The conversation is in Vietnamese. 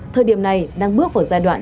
thời điểm này đang bước vào giai đoạn